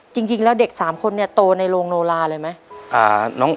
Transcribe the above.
จริงแล้วเด็ก๓คนเนี่ยโตในโรงโนลาเลยไหม